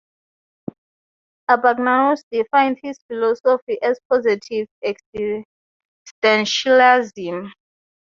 Abbagnano's defined his philosophy as "positive existentialism".